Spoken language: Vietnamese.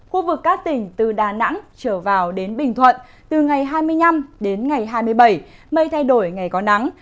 khu vực các tỉnh từ đà nẵng trở vào đến bình thuận từ ngày hai mươi năm đến ngày hai mươi bảy mây thay đổi ngày có nắng